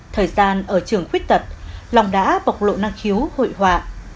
thời gian ở trường khuyết tật long đã bộc lộ năng khiếu hội họa